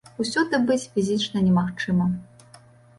Усюды быць фізічна немагчыма.